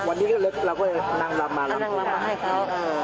วันนี้เราก็นางรำมานางรำมาให้เขา